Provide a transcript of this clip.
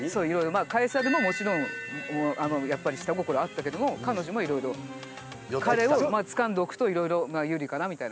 まあカエサルももちろんやっぱり下心あったけども彼女もいろいろ彼をつかんでおくといろいろ有利かなみたいな。